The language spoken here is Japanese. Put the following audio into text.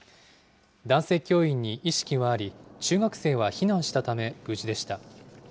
男性教員に意識はあり、中学生は避難したため、無事でした。